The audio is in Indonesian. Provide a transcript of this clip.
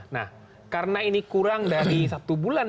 nah karena ini kurang dari satu bulan sebelum hari pemulihan